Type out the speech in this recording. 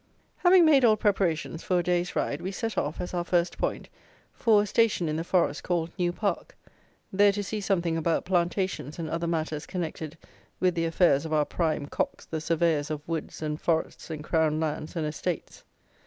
Having made all preparations for a day's ride, we set off, as our first point, for a station, in the Forest, called New Park, there to see something about plantations and other matters connected with the affairs of our prime cocks, the Surveyors of Woods and Forests and Crown Lands and Estates.